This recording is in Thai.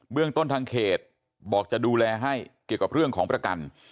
เรื่องต้นทางเขตบอกจะดูแลให้เกี่ยวกับเรื่องของประกัน